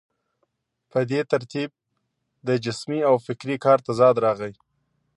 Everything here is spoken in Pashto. په دې ترتیب د جسمي او فکري کار تضاد راغی.